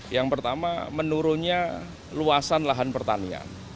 yang pertama menurunnya luasan lahan pertanian